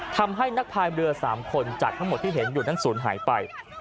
ทำให้นักภายเรือ๓คนจากทั้งหมดที่เห็นอยู่นั้นศูนย์หายไป